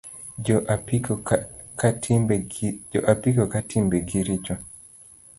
Jo apiko ka timbe gi richo